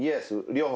両方？